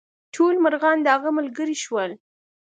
ټول مرغان د هغه ملګري شول.